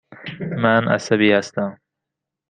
من عصبی هستم.